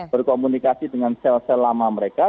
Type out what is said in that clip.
berkomunikasi dengan sel sel lama mereka